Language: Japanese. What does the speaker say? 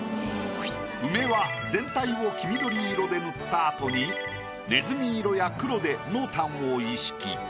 梅は全体を黄緑色で塗ったあとにねずみ色や黒で濃淡を意識。